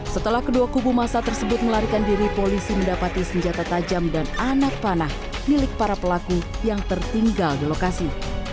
setelah kedua kubu masa tersebut melarikan diri polisi mendapati senjata tajam dan anak panah milik para pelaku yang tertinggal di lokasi